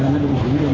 nó luôn kiểm tra mình